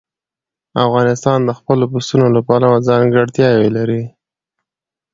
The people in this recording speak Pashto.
افغانستان د خپلو پسونو له پلوه ځانګړتیاوې لري.